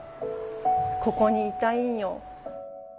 ここにいたいんよ」。